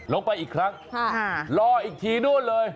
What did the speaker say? ลงไปอีกครั้งรออีกทีนู่นเลย